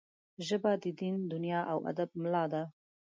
ژبه د دین، دنیا او ادب ملا ده